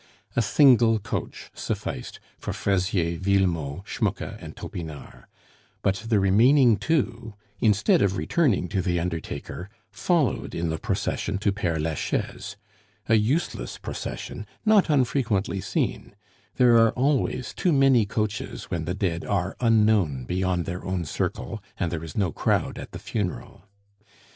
A single coach sufficed for Fraisier, Villemot, Schmucke, and Topinard; but the remaining two, instead of returning to the undertaker, followed in the procession to Pere Lachaise a useless procession, not unfrequently seen; there are always too many coaches when the dead are unknown beyond their own circle and there is no crowd at the funeral.